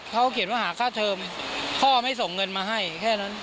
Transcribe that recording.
เขาเขียนว่าหาค่าเทอมพ่อไม่ส่งเงินมาให้แค่นั้น